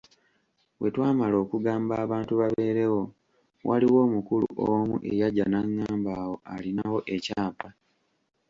Bwe twamala okugamba abantu babeerewo, waliwo omukulu omu eyajja n’angamba awo alinawo ekyapa.